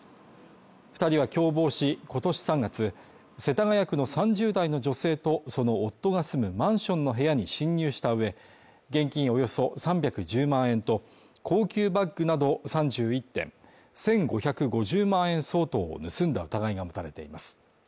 ２人は共謀し、今年３月、世田谷区の３０代の女性とその夫が住むマンションの部屋に侵入した上、現金およそ３１０万円と高級バッグなど、３１点１５５０万円相当を盗んだ疑いが持たれています。